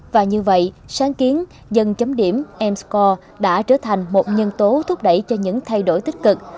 và như vậy sáng kiến dân chấm điểm m score đã trở thành một nhân tố thúc đẩy cho những thay đổi tích cực